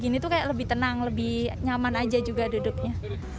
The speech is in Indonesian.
jadi kalau kayak gini itu lebih tenang lebih nyaman aja juga duduk nya